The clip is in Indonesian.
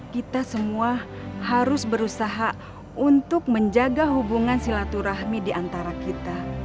kita semua harus berusaha untuk menjaga hubungan silaturahmi diantara kita